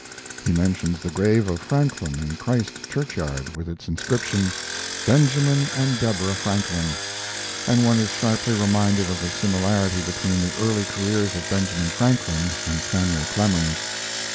He mentions the grave of Franklin in Christ Churchyard with its inscription "Benjamin and Deborah Franklin," and one is sharply reminded of the similarity between the early careers of Benjamin Franklin and Samuel Clemens.